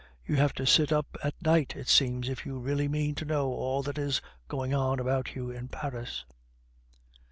"You have to sit up at night, it seems, if you really mean to know all that is going on about you in Paris."